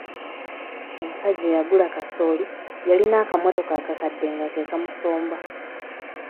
Omusajja eyagula kasooli yalina akamotoka akakadde nga ke kamusomba.